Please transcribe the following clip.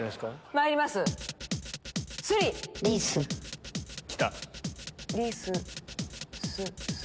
まいります！